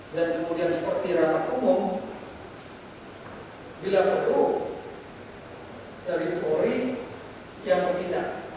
dan kemudian seperti rata umum bila perlu dari polri yang berkita